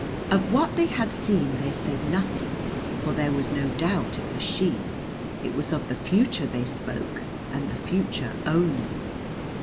Of what they had seen they said nothing, for there was no doubt it was she; it was of the future they spoke, and the future only.